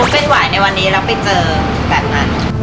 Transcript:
เป็นหวายในวันนี้แล้วไปเจอแบบนั้น